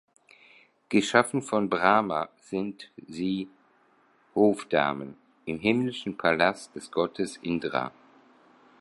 Geschaffen von Brahma sind sie „Hofdamen“ im himmlischen Palast des Gottes Indra.